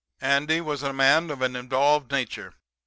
Andy was a man of an involved nature.